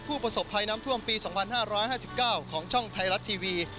ผู้ประสบภัยน้ำท่วมปี๒๕๕๙ของช่องไทยรัฐทีวี